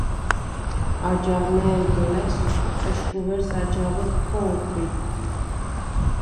აჯაღ მა̄̈ჲ დო ლა̈სვ, ეშხუ ვერს აჯაღჷდ ქო̄ნჴვიდდ.